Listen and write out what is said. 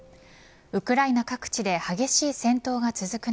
ウクライナ各地で激しい戦闘が続く